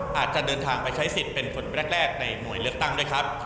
มีทางไปใช้สิทธิ์เป็นฝนแรกในหน่วยเลือกตังค์ด้วยครับ